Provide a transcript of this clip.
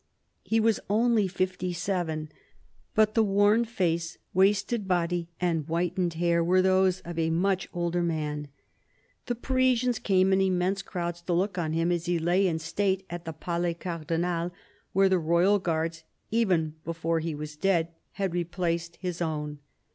He was only fifty seven ; but the worn face, wasted body and whitened hair were those of a much older man. The Parisians came in immense crowds to look on him as he lay in state at the Palais Cardinal, where the royal guards, even before he was dead, had replaced his own.